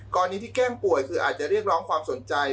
กรณีที่แก้มป่วยคืออาจจะเรียกร้องความสนใจ